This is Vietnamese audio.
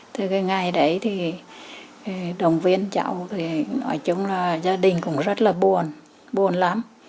từ cái ngày đấy thì đồng viên cháu thì nói chung là gia đình cũng rất là buồn buồn lắm